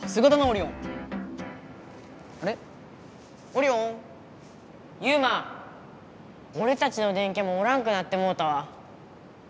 おれたちの電キャもおらんくなってもうたわ。